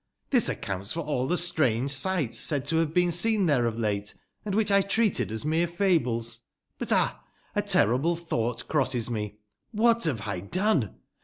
Tbis accounts for all tbe stränge sigbts said to bave been seen tbere of late, and wbicb I treated as mere f ables. But, ab ! a terrible tbougbt crosses me. Wbat bave I done?